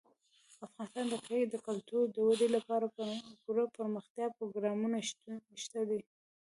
افغانستان کې د کلتور د ودې لپاره پوره دپرمختیا پروګرامونه شته دي.